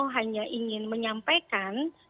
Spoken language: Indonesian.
hanya ingin menyampaikan